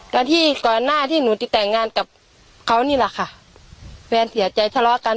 ตอนที่ก่อนหน้าที่หนูจะแต่งงานกับเขานี่แหละค่ะแฟนเสียใจทะเลาะกัน